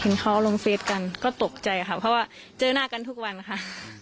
เขาลงเฟสกันก็ตกใจค่ะเพราะว่าเจอหน้ากันทุกวันค่ะ